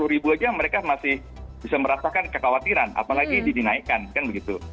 sepuluh ribu aja mereka masih bisa merasakan kekhawatiran apalagi ini dinaikkan kan begitu